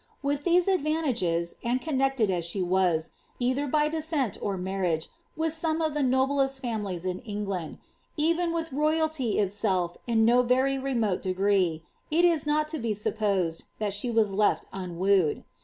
With these advantages, and connected as she was, either by d scent or marriage, with some of the noblest families in England, evi with royalty itself in no very remote degree, it is not to be soppoM that she was left uu wooed.